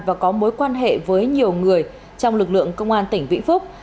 và có mối quan hệ với nhiều người trong lực lượng công an tỉnh vĩnh phúc